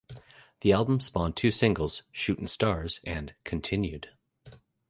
The album spawned two singles, "Shootin' Stars" and "Continued".